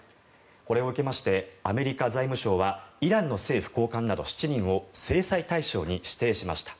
これを受けましてアメリカ財務省はイランの政府高官など７人を制裁対象に指定しました。